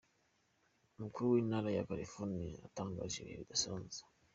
Umukuru w'intara ya California yatangaje ibihe bidasanzwe.